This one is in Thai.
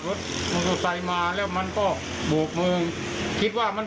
เขากำลังใส่มาแล้วคือมันบวกเมือง